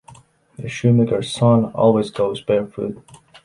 The shoemaker’s son always goes barefoot.